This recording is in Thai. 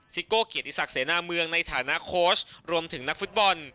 ซิโก้เกียรติศักดิเสนาเมืองในฐานะโค้ชรวมถึงนักฟุตบอล